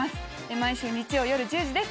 毎週日曜夜１０時です